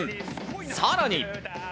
さらに。